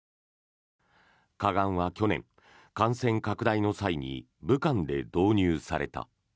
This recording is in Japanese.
火眼は去年、感染拡大の際に武漢で導入された。